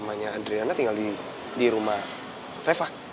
mamanya adriana tinggal di rumah reva